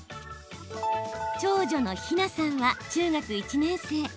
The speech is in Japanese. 長女の緋奈さんは中学１年生。